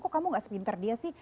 kok kamu gak sepinter dia sih